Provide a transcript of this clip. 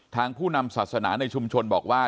ผู้นำศาสนาในชุมชนบอกว่า